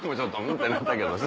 ってなったけど。